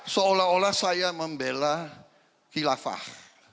seolah olah saya membela khilafah